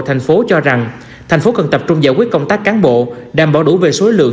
thành phố cho rằng thành phố cần tập trung giải quyết công tác cán bộ đảm bảo đủ về số lượng